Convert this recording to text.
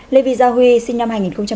lê vi gia huy sinh năm hai nghìn một mươi bốn